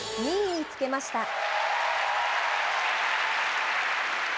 ２位につけました。